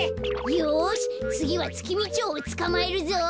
よしつぎはツキミチョウをつかまえるぞ。